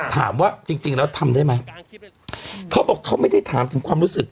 ถามว่าจริงจริงแล้วทำได้ไหมเขาบอกเขาไม่ได้ถามถึงความรู้สึก